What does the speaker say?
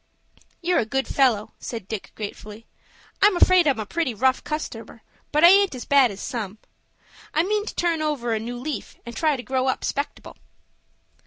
"You're a good fellow," said Dick, gratefully. "I'm afraid I'm a pretty rough customer, but I aint as bad as some. I mean to turn over a new leaf, and try to grow up 'spectable."